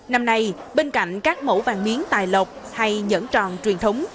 năm nay bên cạnh các mẫu vàng miếng tài lộc hay nhẫn tròn truyền thống